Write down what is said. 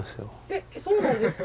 えっそうなんですか？